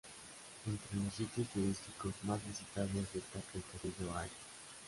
Entre los sitios turísticos más visitados destaca el Castillo Aya.